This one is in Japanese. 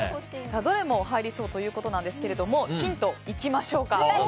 どれも入りそうということですがヒントにいきましょう。